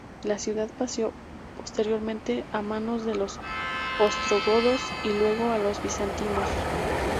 La ciudad pasó posteriormente a manos de los ostrogodos y luego a los bizantinos.